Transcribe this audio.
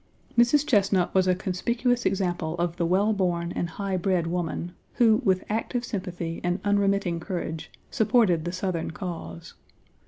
Mrs. Chesnut was a conspicuous example of the well born and high bred woman, who, with active sympathy and unremitting courage, supported the Southern cause.